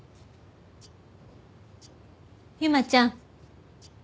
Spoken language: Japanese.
由真ちゃん。